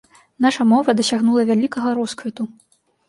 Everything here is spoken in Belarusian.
Наша мова дасягнула вялікага росквіту.